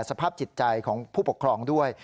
สภาพจิตใจของผู้ปกครองด้วย